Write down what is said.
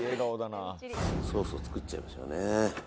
ソースを作っちゃいましょうね。